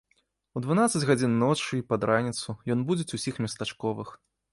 У дванаццаць гадзін ночы і пад раніцу ён будзіць усіх местачковых.